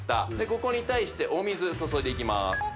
ここに対してお水注いでいきます